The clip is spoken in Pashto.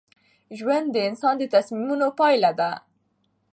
ژوند د انسان د تصمیمونو پایله ده.